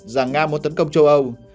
rằng nga muốn tấn công châu âu